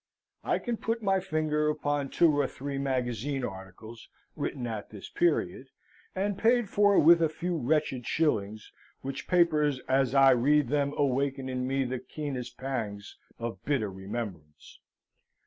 I can put my finger upon two or three magazine articles written at this period, and paid for with a few wretched shillings, which papers as I read them awaken in me the keenest pangs of bitter remembrance.